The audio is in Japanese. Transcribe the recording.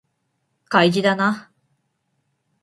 開示だな